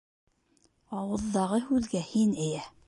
Ауыҙҙағы һүҙгә һин эйә